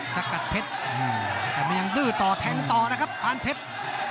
สกัดเพชรแต่มันยังดื้อต่อแทงต่อนะครับปานเพชร